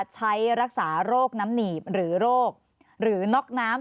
ใช้รักษาโรคน้ำหนีบหรือโรคหรือน็อกน้ำ